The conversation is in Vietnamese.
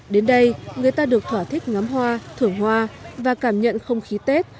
đến đây người ta được thỏa thích ngắm hoa thưởng hoa và cảm nhận không khí tết